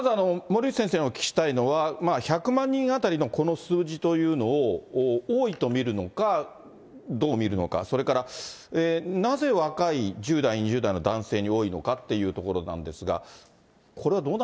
まず、森内先生にお聞きしたいのは、１００万人当たりのこの数字というのを多いと見るのか、どう見るのか、それからなぜ若い、１０代、２０代の男性に多いのかっていうところなんですが。